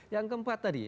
yang keempat tadi